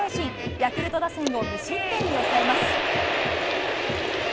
ヤクルト打線を無失点に抑えます。